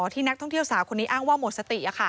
ที่นักท่องเที่ยวสาวคนนี้อ้างว่าหมดสติ